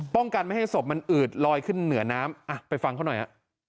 กันไม่ให้ศพมันอืดลอยขึ้นเหนือน้ำอ่ะไปฟังเขาหน่อยฮะ